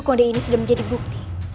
lihatlah tusukonde ini sudah menjadi bukti